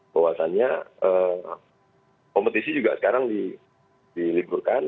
bahwasannya kompetisi juga sekarang diliburkan